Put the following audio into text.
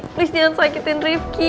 please jangan sakitin rifki